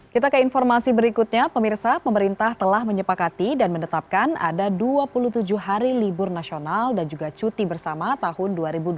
kita ke informasi berikutnya pemirsa pemerintah telah menyepakati dan menetapkan ada dua puluh tujuh hari libur nasional dan juga cuti bersama tahun dua ribu dua puluh